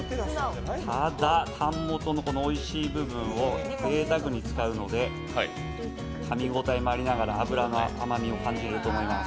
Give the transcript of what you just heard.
ただ、タン元のこのおいしい部分をぜいたくに使うのでかみ応えもありながら脂の甘みを感じると思います。